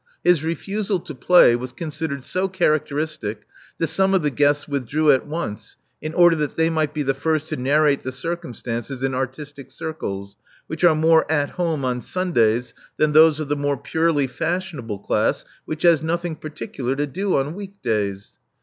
His refusal to play was considered so characteristic that some of the guests withdrew at once in order that they might be the first to narrate the circumstances in artistic circles, which are more at home" on Sundays than those of the more purely fashionable class which has nothing particular to do . on week days.